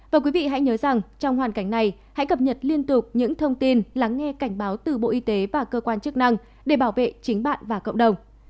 và quý vị hãy nhớ rằng trong hoàn cảnh này hãy cập nhật liên tục những thông tin lắng nghe cảnh báo từ bộ y tế và cơ quan chức năng để bảo vệ chính bạn và cộng đồng